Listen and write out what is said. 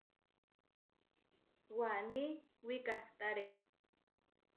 Waní wikahtáre.